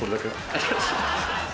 ありがとうございます。